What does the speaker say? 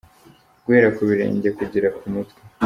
Guhera ku birenge kugera ku mutwe.